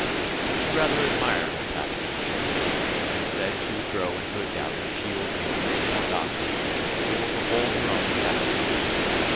He rather admired her passionate nature, and said she would grow into a doughty shield maiden or Valkyrie, able to hold her own in battle.